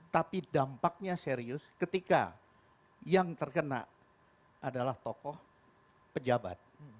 tapi dampaknya serius ketika yang terkena adalah tokoh pejabat